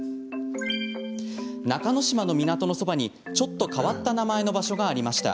中ノ島の港のそばに、ちょっと変わった名前の場所がありました。